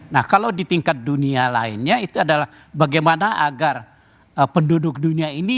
nah kalau di tingkat dunia lainnya itu adalah bagaimana agar penduduk dunia ini